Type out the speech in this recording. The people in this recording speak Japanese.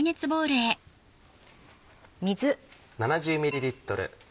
水。